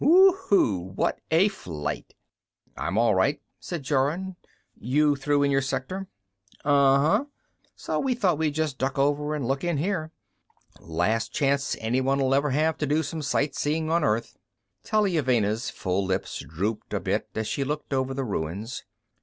"Whoo oo, what a flight!" "I'm all right," said Jorun. "You through in your sector?" "Uh huh. So we thought we'd just duck over and look in here. Last chance anyone'll ever have to do some sight seeing on Earth." Taliuvenna's full lips drooped a bit as she looked over the ruins.